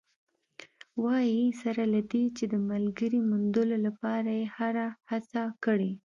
وايي، سره له دې چې د ملګرې موندلو لپاره یې هره هڅه کړې